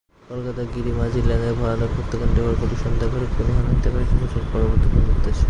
কলকাতার গিরি মাঝি লেনের ভয়ানক হত্যাকাণ্ডের পরে পুলিশ সন্দেহ করে খুনি হানা দিতে পারে একটি হোটেলে পরবর্তী খুনের উদ্দেশ্যে।